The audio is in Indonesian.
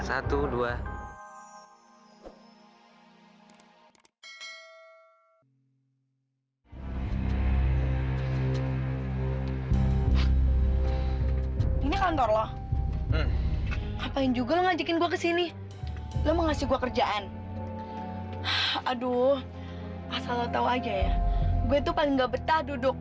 sampai jumpa di video selanjutnya